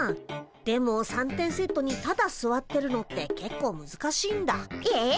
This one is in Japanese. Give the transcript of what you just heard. でも三点セットにただすわってるのってけっこうむずかしいんだ。え？